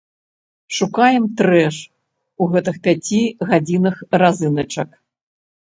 Шукаем трэш у гэтых пяці гадзінах разыначак.